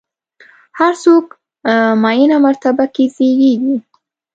هر څوک معینه مرتبه کې زېږي.